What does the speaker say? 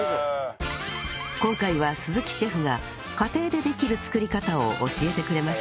今回は鈴木シェフが家庭でできる作り方を教えてくれました